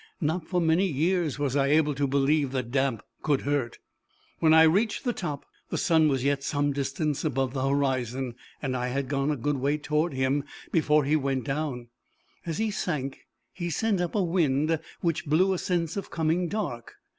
Not for many years was I able to believe that damp could hurt. When I reached the top, the sun was yet some distance above the horizon, and I had gone a good way toward him before he went down. As he sank he sent up a wind, which blew a sense of coming dark.